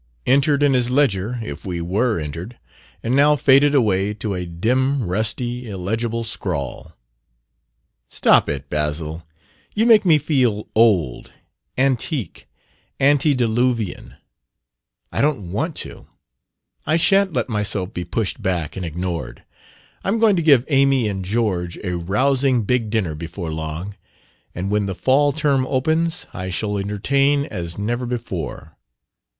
Entered in his ledger if we were entered and now faded away to a dim, rusty, illegible scrawl...." "Stop it, Basil! You make me feel old, antique, antediluvian. I don't want to. I shan't let myself be pushed back and ignored. I'm going to give Amy and George a rousing big dinner before long; and when the fall term opens I shall entertain as never before.